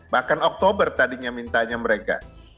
bahkan oktober tadinya mintanya mereka